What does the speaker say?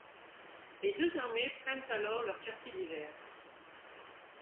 Les deux armées prennent alors leurs quartiers d'hiver.